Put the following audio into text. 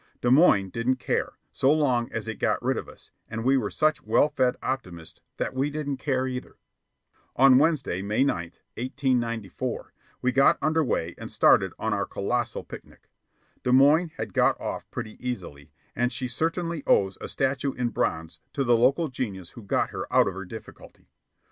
Des Moines didn't care, so long as it got rid of us, and we were such well fed optimists that we didn't care either. On Wednesday, May 9, 1894, we got under way and started on our colossal picnic. Des Moines had got off pretty easily, and she certainly owes a statue in bronze to the local genius who got her out of her difficulty.